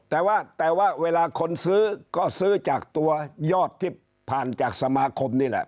แต่ว่าแต่ว่าเวลาคนซื้อก็ซื้อจากตัวยอดที่ผ่านจากสมาคมนี่แหละ